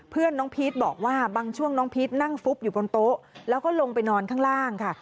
เพื่อนน้องพีชบอกว่าบางช่วงน้องพีชนั่งฟุบอยู่บนโต๊ะแล้วก็ลงไปนอนข้างล่างค่ะ